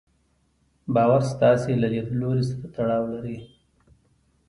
باور ستاسې له ليدلوري سره تړاو لري.